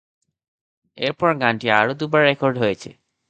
এরপর গানটি আরও দুবার রেকর্ড হয়েছে।